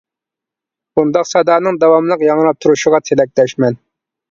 بۇنداق سادانىڭ داۋاملىق ياڭراپ تۇرۇشىغا تىلەكداشمەن.